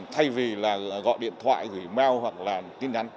thay vì là gọi điện thoại gửi mail hoặc là tin nhắn